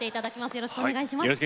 よろしくお願いします。